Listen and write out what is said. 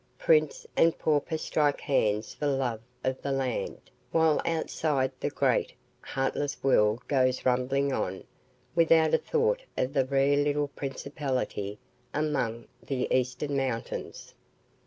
Prince and pauper strike hands for the love of the land, while outside the great, heartless world goes rumbling on without a thought of the rare little principality among the eastern mountains.